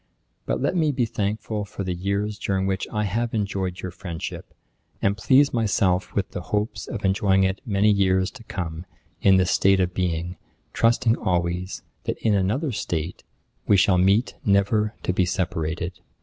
But let me be thankful for the years during which I have enjoyed your friendship, and please myself with the hopes of enjoying it many years to come in this state of being, trusting always, that in another state, we shall meet never to be separated.